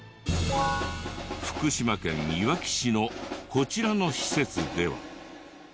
福島県いわき市のこちらの施設では。